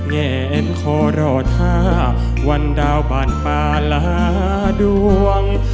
แงนคอรอท่าวันดาวบ้านป่าลาดวง